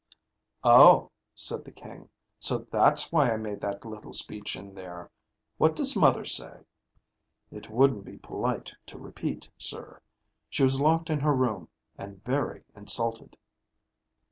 "Oh," said the King. "So that's why I made that little speech in there. What does mother say?" "It wouldn't be polite to repeat, sir. She was locked in her room, and very insulted."